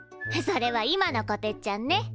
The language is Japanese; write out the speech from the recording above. それは今のこてっちゃんね。